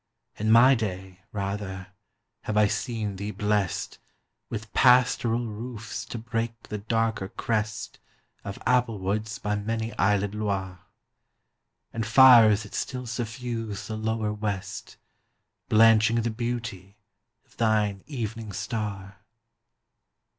In my day, rather, have I seen thee blest With pastoral roofs to break the darker crest Of apple woods by many islèd Loire, And fires that still suffuse the lower west, Blanching the beauty of thine evening star.